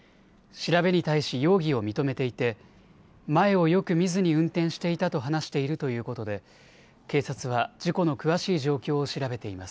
調べに対し容疑を認めていて前をよく見ずに運転していたと話しているということで警察は事故の詳しい状況を調べています。